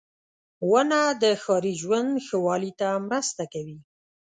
• ونه د ښاري ژوند ښه والي ته مرسته کوي.